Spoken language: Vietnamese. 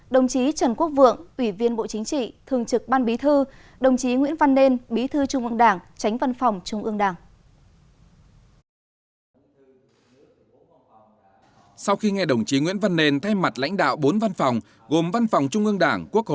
đồng chí trần quốc vượng ủy viên bộ chính trị thường trực ban bí thư đồng chí nguyễn văn nên bí thư trung ương đảng